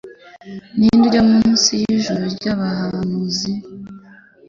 Ninde ujya munsi y'ijuru ry'abahanuzi